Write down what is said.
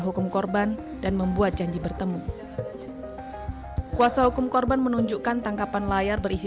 hukum korban dan membuat janji bertemu kuasa hukum korban menunjukkan tangkapan layar berisi